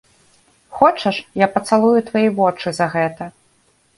Хочаш, я пацалую твае вочы за гэта?